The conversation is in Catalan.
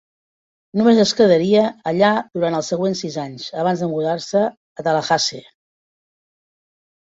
Només es quedaria allà durant els següents sis anys abans de mudar-se a Tallahassee.